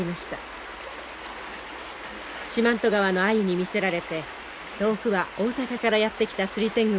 四万十川のアユに魅せられて遠くは大阪からやって来た釣り天狗もいます。